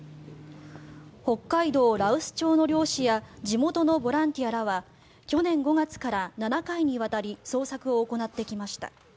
北海道羅臼町の漁師や地元のボランティアらは去年５月から７回にわたり捜索を行ってきました。